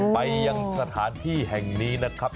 ไปยังสถานที่แห่งนี้นะครับ